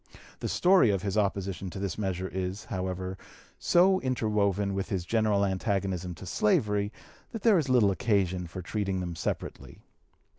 The story of his opposition to this measure is, however, so interwoven with his general antagonism to slavery, that there is little occasion for treating them separately.